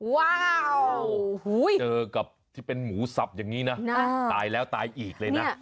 ว้าวเจอกับที่เป็นหมูสับอย่างนี้นะตายแล้วตายอีกเลยนะ